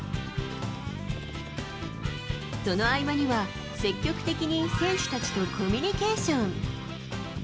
その合間には積極的に選手たちとコミュニケーション。